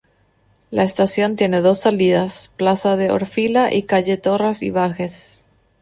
La estación tiene dos salidas: Plaza de Orfila y calle Torras i Bages.